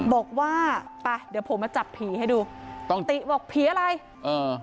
บอกว่าไปเดี๋ยวผมมาจับผีให้ดูต้องติบอกผีอะไรเออ